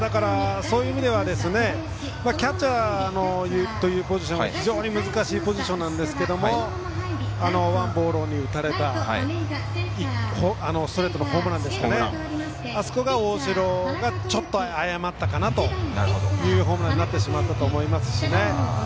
そういう意味ではキャッチャーというポジションは難しいポジションなんですが王柏融に打たれたストレートのホームランですねあそこは、ちょっと誤ったのかなというホームランになったと思いますね。